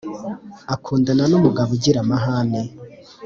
akundana numugabo ugira amahane